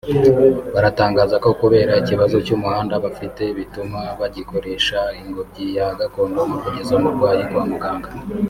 baratangaza ko kubera ikibazo cy’umuhanda bafite bituma bagikoresha ingobyi ya gakondo mu kugeza umurwayi kwa muganga